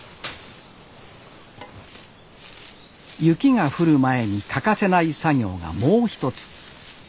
雪が降る前に欠かせない作業がもう一つ。